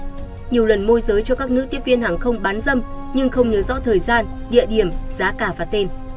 trong nhiều lần môi giới cho các nữ tiếp viên hàng không bán dâm nhưng không nhớ rõ thời gian địa điểm giá cả và tên